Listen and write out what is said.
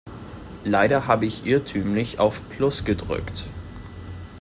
Leider habe ich irrtümlich auf Plus gedrückt.